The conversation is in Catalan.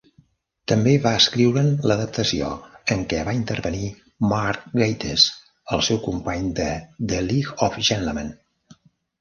També va escriure'n l'adaptació, en què va intervenir Mark Gatiss, el seu company de "The league of gentlemen".